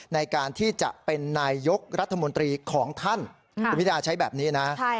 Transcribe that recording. ในการที่จะเป็นนายยกรัฐมนตรีของท่านคุณพิทาใช้แบบนี้นะ